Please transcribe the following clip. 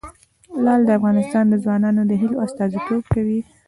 لعل د افغان ځوانانو د هیلو استازیتوب کوي.